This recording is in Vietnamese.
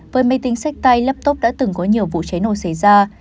với máy tính sách tay laptop đã từng có nhiều vụ cháy nổ xảy ra